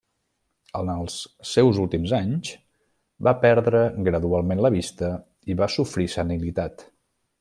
En els seus últims anys, va perdre gradualment la vista i va sofrir senilitat.